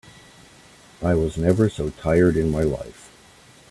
I was never so tired in my life.